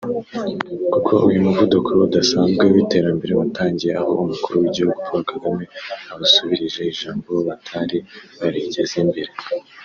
kuko uyu muvuduko udasanzwe w’iterambere watangiye aho Umukuru w’igihugu Paul Kagame abasubirije ijambo batari barigeze mbere